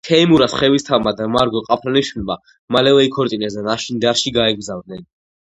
თეიმურაზ ხევისთავმა და მარგო ყაფლანიშვილმა მალევე იქორწინეს და ნაშინდარში გაემგზავრნენ.